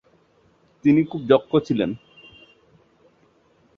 তিনি খুব দক্ষ ছিলেন।